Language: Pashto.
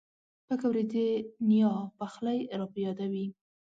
پکورې د نیا پخلی را په یادوي